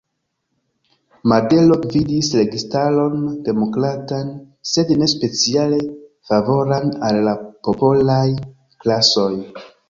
Madero gvidis registaron demokratan, sed ne speciale favoran al la popolaj klasoj.